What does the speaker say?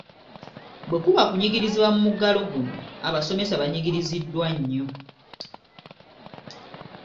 Bwe kuba kunyigirizibwa mu muggalo guno, abasomesa banyigiriziddwa nnyo.